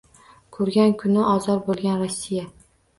Ko’rgan kuni ozor bo’lgan Rossiya